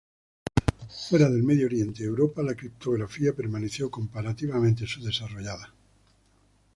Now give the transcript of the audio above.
Fuera del Medio Oriente y Europa, la criptografía permaneció comparativamente subdesarrollada.